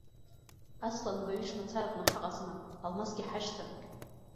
Аслан баҩыш мацараҟны ҳаҟазма, алмасгьы ҳашьҭан.